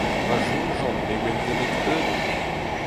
Pa soñjan ne oamp nemet unnek.